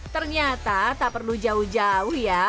ternyata tak perlu jauh jauh ya